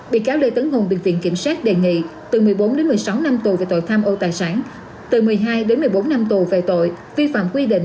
bị cáo lê tấn hùng bị viện kiểm sát đề nghị từ một mươi bốn đến một mươi sáu năm tù về tội tham ô tài sản từ một mươi hai đến một mươi bốn năm tù về tội vi phạm quy định